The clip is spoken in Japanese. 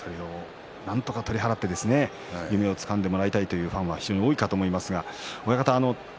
それをなんとか取り払って夢をつかんでほしいと思うファンが多いと思います。